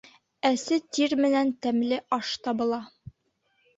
Әсе тир менән тәмле аш табыла.